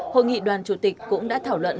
hội nghị đoàn chủ tịch cũng đã thảo luận